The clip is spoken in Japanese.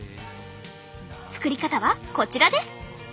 作り方はこちらです！